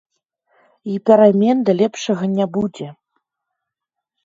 І перамен да лепшага не будзе.